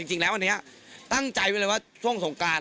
จริงแล้วอันนี้ตั้งใจไว้เลยว่าช่วงสงการ